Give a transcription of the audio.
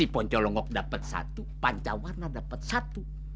ponco longok dapet satu panca warna dapet satu